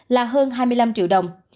là hơn hai mươi năm triệu đồng